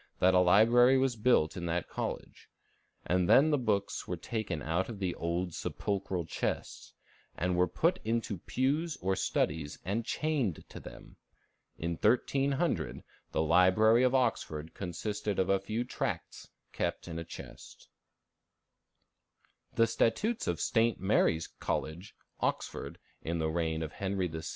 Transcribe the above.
that a library was built in that college; and then the books were taken out of the old sepulchral chests, and "were put into pews or studies and chained to them." In 1300, the library of Oxford consisted of a few tracts kept in a chest. [Illustration: Chained Bible.] The statutes of St. Mary's College, Oxford, in the reign of Henry VI.